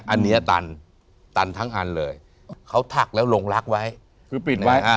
อันนี้ตันตันทั้งอันเลยเขาถักแล้วลงรักไว้คือปิดไว้อ่า